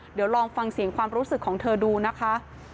เดี๋ยวลองฟังเสียงความรู้สึกของเธอดูนะคะ